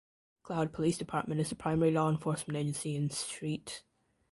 Cloud Police Department is the primary law enforcement agency in St.